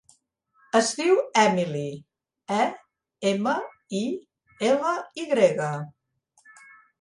Es diu Emily: e, ema, i, ela, i grega.